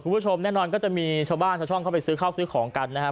ผู้ชมแน่นอนก็จะมีชาวบ้านเข้าไปซื้อข้าวซื้อของกันนะครับ